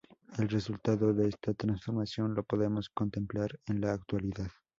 El resultado de esta transformación lo podemos contemplar en la actualidad.